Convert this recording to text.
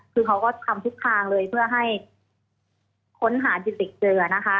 คือเขาก็ทำทุกทางเลยเพื่อให้ค้นหาจิตเจอนะคะ